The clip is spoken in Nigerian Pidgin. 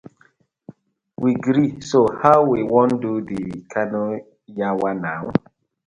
We gree, so how we wan do de canoe yawa naw?